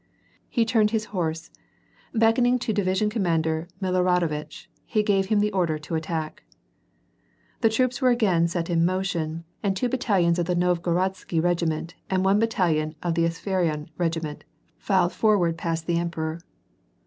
He turned his horse, beckoning to Division Commander Miloradovitch, he gave him the order to attack. The troops were again set in motion, and two battalions of the Novgorodsky regiment and one battalion of the Apsheron regiment filed forward past the emperor.